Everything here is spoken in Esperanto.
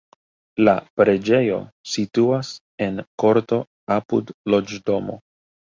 La preĝejo situas en korto apud loĝdomo.